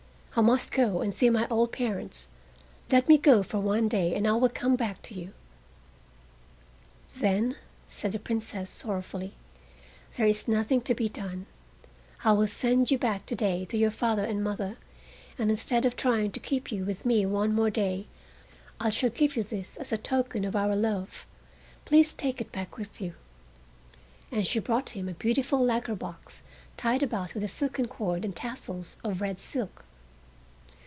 I must go and see my old parents. Let me go for one day and I will come back to you." "Then," said the Princess sorrowfully, "there is nothing to be done. I will send you back to day to your father and mother, and instead of trying to keep you with me one more day, I shall give you this as a token of our love—please take it back with you;" and she brought him a beautiful lacquer box tied about with a silken cord and tassels of red silk.